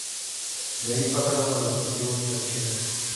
De ahí pasaron al Deportivo Táchira.